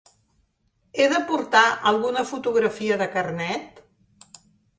He de portar alguna fotografia de carnet?